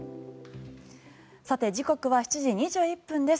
さて、時刻は７時２１分です。